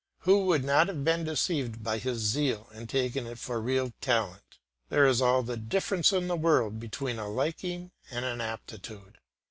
Who would not have been deceived by his zeal and taken it for real talent! There is all the difference in the world between a liking and an aptitude.